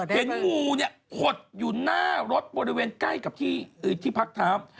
เห็นงูเนี่ยขดอยู่หน้ารถบริเวณใกล้กับที่พักเท้า